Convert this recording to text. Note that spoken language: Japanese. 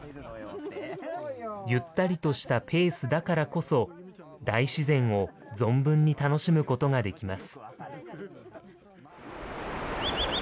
ゆったりとしたペースだからこそ、大自然を存分に楽しむことができます。